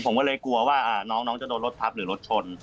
ผมก็เลยกลัวว่าน้องจะโดนรถทับหรือรถชน